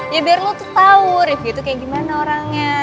ya biar lo tuh tau rifqi itu kayak gimana orangnya